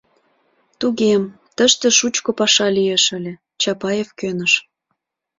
— Туге, тыште шучко паша лиеш ыле, — Чапаев кӧныш.